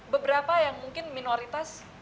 beberapa yang mungkin minoritas